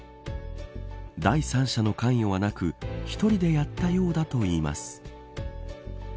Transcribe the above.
第三者の関与はなく一人でやったようだといいます。